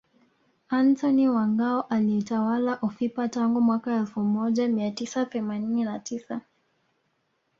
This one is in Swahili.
Antony wa Ngao alitawala ufipa tangu mwaka elfu moja mia tisa themanini na tisa